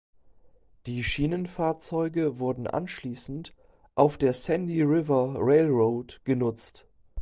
Die Schienenfahrzeuge wurden anschließend auf der Sandy River Railroad genutzt.